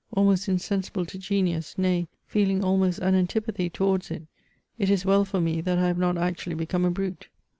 Almost insensible to genius, nay feeling almost an antipathy towards it ; it is well for me that I have not actually become a brute.